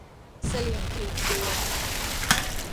เสลี่ยงกลีบบัว